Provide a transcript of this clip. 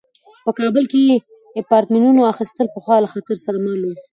په کابل کې د اپارتمانونو اخیستل پخوا له خطر سره مل وو.